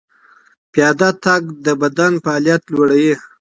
پلی تګ د بدن فعالیت لوړوي.